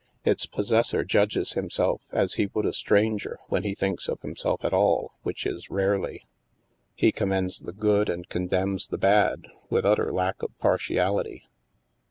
Its pos sessor judges himself as he would a stranger, when he thinks of himself at all, which is rarely. He commends the good and condemns the bad, with ut ter lack of partiality.